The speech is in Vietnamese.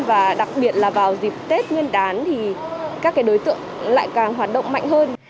và đặc biệt là vào dịp tết nguyên đán thì các đối tượng lại càng hoạt động mạnh hơn